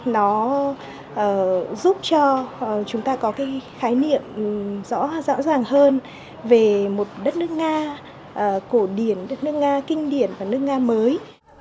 nó giúp cho chúng ta có cái khái niệm rõ ràng hơn về một đất nước nga cổ điển nước nga kinh điển và nước nga mới